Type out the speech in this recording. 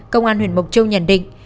công an huyện mộc châu nhận định